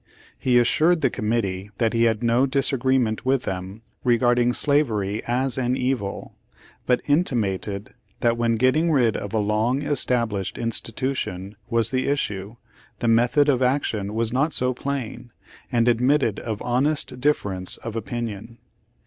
He assured the committee that he had no disagreement with them regarding slavery as an evil, but intimated that when getting rid of a long established institution was the issue, the method of action was not so plain, and ad mitted of honest difference of opinion.